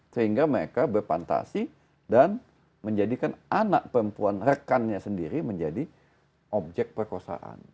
sehingga mereka berpantasi dan menjadikan anak perempuan rekannya sendiri menjadi objek perkosaan